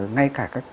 ngay cả các